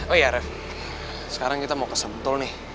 oh iya ref sekarang kita mau ke sampul nih